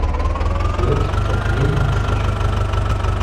Folgt der heiligen Flasche!